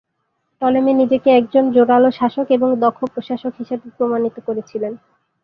Ptolemy নিজেকে একজন জোরালো শাসক এবং দক্ষ প্রশাসক হিসেবে প্রমাণিত করেছিলেন।